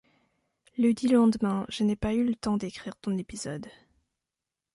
Ledit lendemain je n’ai pas eu le temps d’écrire ton épisode.